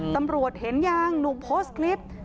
ตำรวจเห็นยังหนุ่มโพสต์คลิป